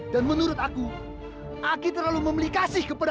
dan menurut aku aku tidak akan mencari siapa